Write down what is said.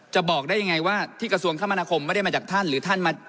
บอกได้ยังไงว่าที่กระทรวงคมนาคมไม่ได้มาจากท่านหรือท่านมา